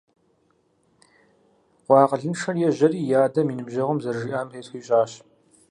Къуэ акъылыншэр ежьэри и адэм и ныбжьэгъум зэрыжиӀам тету ищӀащ.